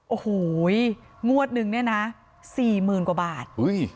โอ้โหงวดนึงเนี่ยนะ๔๐๐๐กว่าบาท